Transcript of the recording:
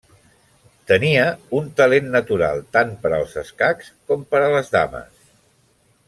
Tenia un talent natural tant per als escacs com per a les dames.